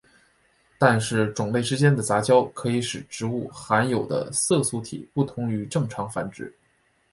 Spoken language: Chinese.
但是种类之间的杂交可以使植物含有的色素体不同于正常繁殖。